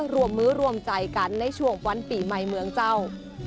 รวมมื้อรวมใจกันในช่วงวันปีใหม่เมืองเจ้า